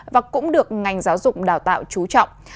và cũng được ngành giáo dục đào tạo chú trọng